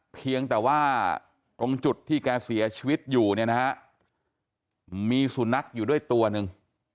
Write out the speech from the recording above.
เพียงแต่ว่าตรงจุดที่แกเสียชีวิตอยู่เนี่ยนะฮะมีสุนัขอยู่ด้วยตัวหนึ่ง